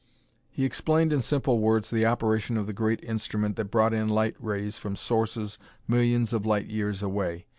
He explained in simple words the operation of the great instrument that brought in light rays from sources millions of light years away.